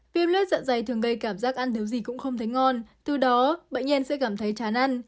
viêm lết dạ dày thường gây cảm giác ăn thiếu gì cũng không thấy ngon từ đó bệnh nhân sẽ cảm thấy chán ăn